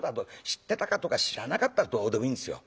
知ってたかとか知らなかったどうでもいいんですよ。